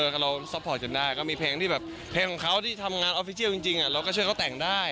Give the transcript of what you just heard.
ก็เข้ากรามเข้าที่ทำงานฟิเชี่ยวจริงเราก็ช่วยเขาแต่งได้